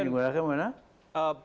apa yang digunakan bagaimana